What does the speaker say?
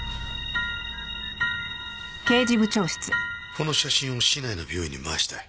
この写真を市内の病院に回したい？